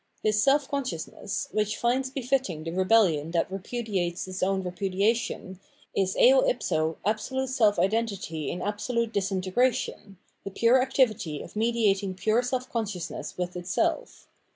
This self con sciousness, which finds befitting the rebelhon that repudiates its own repudiation, is eo ipso absolute self identity in absolute disintegration, the pure activity of mediating pure self consciousness with itself.